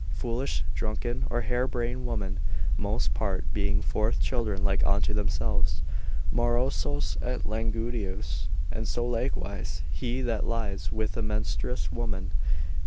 4, foolish, drunken, or hair brain women, most part bring forth children like unto themselves, morosos et languidos, and so likewise he that lies with a menstruous woman.